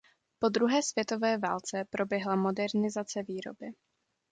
Po druhé světové válce proběhla modernizace výroby.